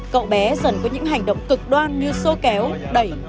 cậu bé dần có những hành động cực đoan như xôi kéo đẩy